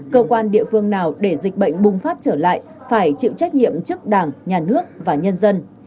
cơ quan địa phương nào để dịch bệnh bùng phát trở lại phải chịu trách nhiệm trước đảng nhà nước và nhân dân